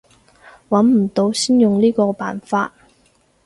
揾唔到先用呢個辦法